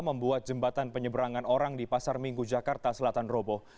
membuat jembatan penyeberangan orang di pasar minggu jakarta selatan robo